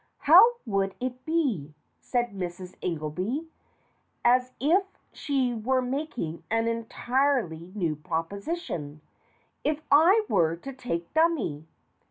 "How would it be," said Mrs. Ingelby, as if she were making an entirely new proposition, "if I were to take dummy?"